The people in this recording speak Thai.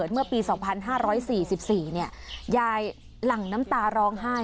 เมื่อปี๒๕๔๔ยายหลั่งน้ำตาร้องไห้